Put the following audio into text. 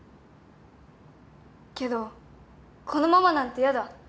けどこのままなんてイヤだ。